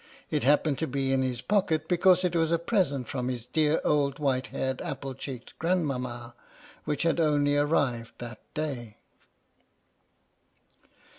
It happened to be in his pocket because it was a present from his dear old white haired apple cheeked grandmama which had only arrived that day.